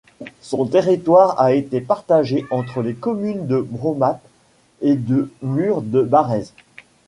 Son territoire a été partagé entre les communes de Brommat et de Mur-de-Barrez.